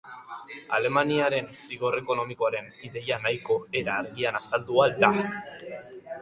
Alemaniaren zigor ekonomikoaren ideia nahiko era argian azaldu ahal da.